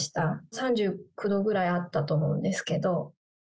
３９度ぐらいあったと思うんですけど。